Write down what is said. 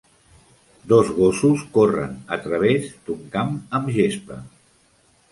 Dos gossos corrent a través d'un camp amb gespa.